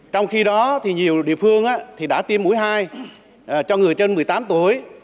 trong khi đó thì nhiều địa phương đã tiêm mũi hai cho người trên một mươi tám tuổi